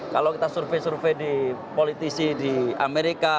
kalau kita survei survei di politisi di amerika